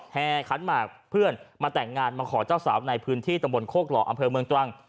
แห่ขันหมากเพื่อนมาแต่งงานมาขอเจ้าสาวในพื้นที่ตำบลโคกหล่ออำเภอเมืองตรัง